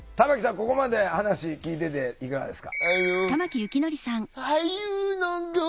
ここまで話聞いてていかがですか？